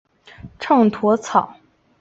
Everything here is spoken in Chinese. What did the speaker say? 秤砣草